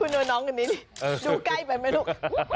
คุณลุกน้องกันนี้ดูใกล้ไปไหมลุก